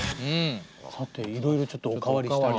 さていろいろちょっとお代わりして。